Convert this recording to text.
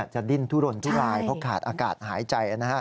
ดิ้นทุรนทุรายเพราะขาดอากาศหายใจ